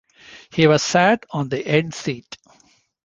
He was sat on the end seat.